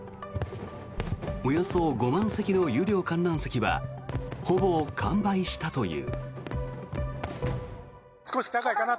およそ５万席の有料観覧席はほぼ完売したという。